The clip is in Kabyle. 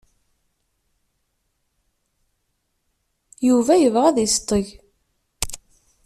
Yuba yebɣa ad yesteg.